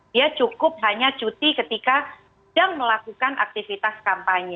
dia cukup hanya cuti ketika sedang melakukan aktivitas kampanye